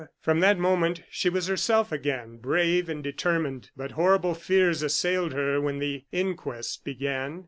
From that moment, she was herself again, brave and determined. But horrible fears assailed her when the inquest began.